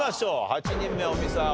８人目尾美さん